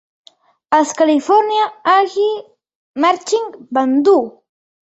Els California Aggie Marching Band-uh!